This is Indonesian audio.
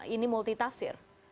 ini multi tafsir